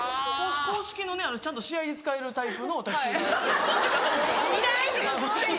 公式のねちゃんと試合で使えるタイプの卓球台。